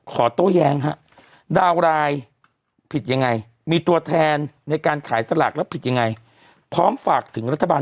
ก่อแทนในการขายสลากและผิดยังไงพร้อมฝากถึงรัฐบาล